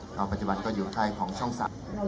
ครับปัจจุบันก็อยู่ใต้ของช่องศาล